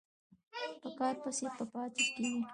په کار پسې به پاتې کېږې.